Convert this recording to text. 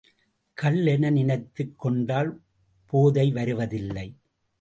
கள் என நினைத்துக் கொண்டால் போதை வருவதில்லை.